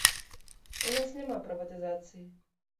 У нас няма прыватызацыі.